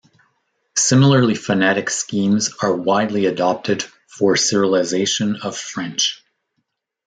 Similarly phonetic schemes are widely adopted for Cyrillization of French.